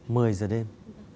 mười giờ đêm